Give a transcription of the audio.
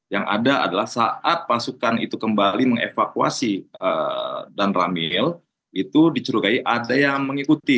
yang ada adalah saat pasukan itu kembali mengevakuasi dan ramil itu dicurigai ada yang mengikuti